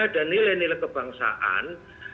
dan nilai nilai kebangsaan